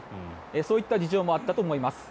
そういった事情もあったと思います。